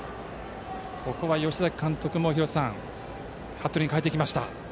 ここは吉崎監督も服部に代えてきました。